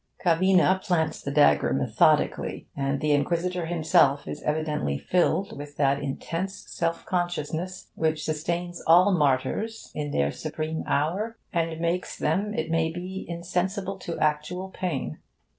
Cavina plants the dagger methodically, and the Inquisitor himself is evidently filled with that intense self consciousness which sustains all martyrs in their supreme hour and makes them, it may be, insensible to actual pain.